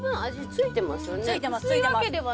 ついてます